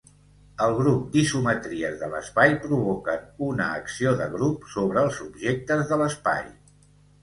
El grup d'isometries de l'espai provoquen una acció de grup sobre els objectes de l'espai.